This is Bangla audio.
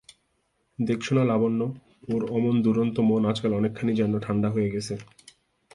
দেখছ-না লাবণ্য, ওর অমন দুরন্ত মন আজকাল অনেকখানি যেন ঠাণ্ডা হয়ে গেছে।